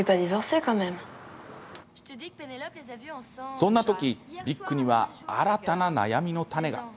そんな時、ビックには新たな悩みの種が。